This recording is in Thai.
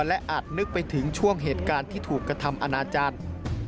และอาจนึกไปถึงช่วงเหตุการณ์ที่ถูกกระทำอนาจารย์